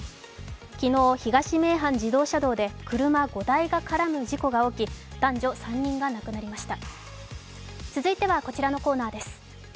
昨日、東名阪自動車道で車５台が絡む事故が起き、男女３人が亡くなりました。